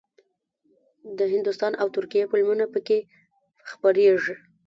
د هندوستان او ترکیې فلمونه پکې خپرېږي.